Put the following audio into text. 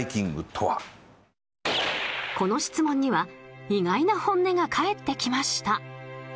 この質問には意外な本音が返ってきました。